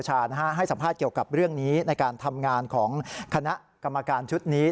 ให้สัมภาษณ์เกี่ยวกับเรื่องนี้ในการทำงานของคณะกรรมการชุดนี้